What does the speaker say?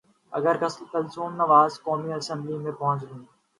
اگر کلثوم نواز قومی اسمبلی میں پہنچ گئیں۔